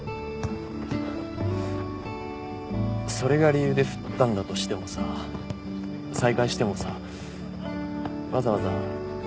それが理由で振ったんだとしてもさ再会してもさわざわざ